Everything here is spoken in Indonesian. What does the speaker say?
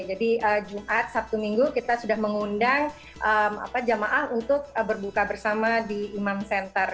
jadi jumat sabtu minggu kita sudah mengundang jamaah untuk berbuka bersama di imam center